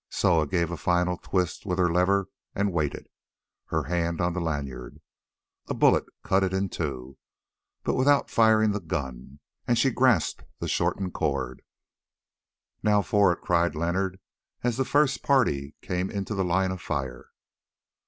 Soa gave a final twist with her lever and waited, her hand on the lanyard. A bullet cut it in two, but without firing the gun, and she grasped the shortened cord. "Now for it!" cried Leonard, as the first party came into the line of fire.